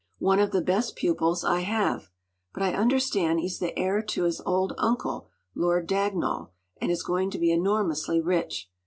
One of the best pupils I have. But I understand he’s the heir to his old uncle, Lord Dagnall, and is going to be enormously rich.